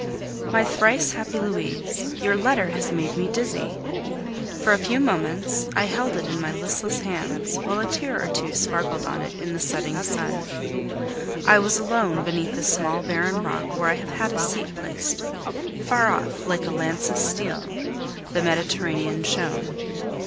My thrice happy Louise, your letter made me dizzy. For a few moments I held it in my listless hands, while a tear or two sparkled on it in the setting sun. I was alone beneath the small barren rock where I have had a seat placed; far off, like a lance of steel, the Mediterranean shone.